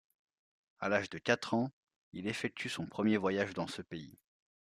À l'âge de quatre ans, il effectue son premier voyage dans ce pays.